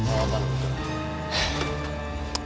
kau mana sih